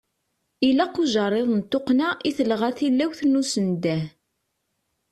Ilaq ujeṛṛiḍ n tuqqna i telɣa tilawt n usendeh.